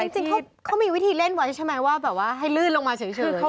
จริงเค้ามีวิธีเล่นไว้ใช่ไหมว่าให้ลื่นลงมาเฉยหรืออย่างนี้